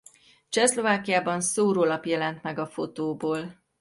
Csehszlovákiában szórólap jelent meg a fotóból.